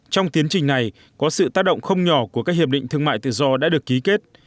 trong tiến trình này có sự tác động không nhỏ của các hiệp định thương mại tự do đã được ký kết